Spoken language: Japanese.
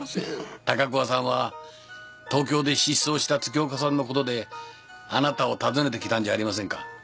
高桑さんは東京で失踪した月岡さんのことであなたを訪ねてきたんじゃありませんか？